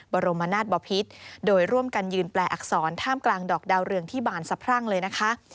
บรมนาศบพิษโดยร่วมกันยืนแปลอักษรท่ามกลางดอกดาวเรืองที่บานสะพรั่งเลยนะคะ